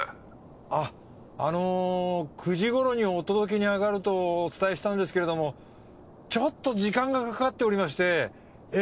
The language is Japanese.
あっあの９時ごろにお届けにあがるとお伝えしたんですけれどもちょっと時間がかかっておりましてえ